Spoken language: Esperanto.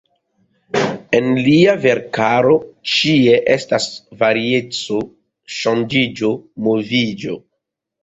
En lia verkaro ĉie estas varieco, ŝanĝiĝo, moviĝo.